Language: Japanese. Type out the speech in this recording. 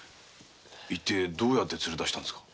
一体どうやって連れ出したんですか？